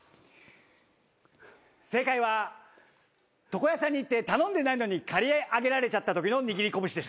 正解は床屋さんに行って頼んでないのに刈り上げられちゃったときの握り拳でした。